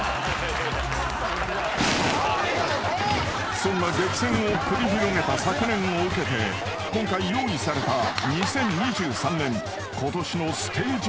［そんな激戦を繰り広げた昨年を受けて今回用意された２０２３年］